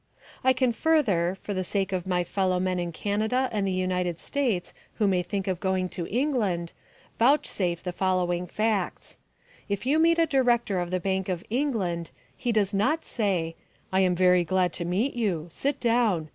I can further, for the sake of my fellow men in Canada and the United States who may think of going to England, vouchsafe the following facts: If you meet a director of the Bank of England, he does not say: "I am very glad to meet you. Sit down.